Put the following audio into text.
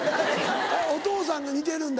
お父さんに似てるんだ？